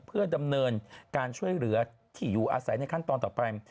เพื่อดำเนินการช่วยเหลือที่อยู่อาศัยในขั้นตอนต่อไป